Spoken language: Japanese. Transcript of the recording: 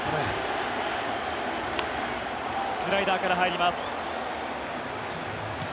スライダーから入ります。